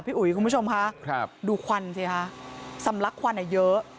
อุ๋ยคุณผู้ชมค่ะดูควันสิคะสำลักควันเยอะ